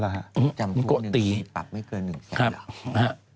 จำคุกหนึ่งปีปรับไม่เกินหนึ่งแสนเหรอ